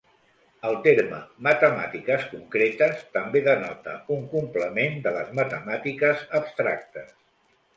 El terme "matemàtiques concretes" també denota un complement de les "matemàtiques abstractes".